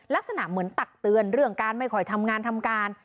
ลักษณะเหมือนตักเตือนเรื่องการไม่ค่อยทำงานทำการ